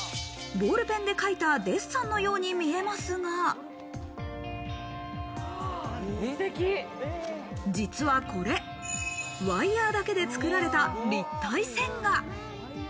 ボールペンで描いたデッサンのように見えますが、実はこれ、ワイヤだけで作られた立体線画。